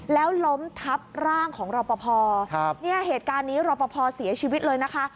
แล้วล้มทับร่างของรอปภเนี่ยเหตุการณ์นี้รอปภเสียชีวิตเลยนะคะ